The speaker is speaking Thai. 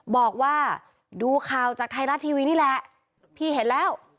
บอกว่าดูข่าวจากไทยรัฐทีวีนี่แหละพี่เห็นแล้ว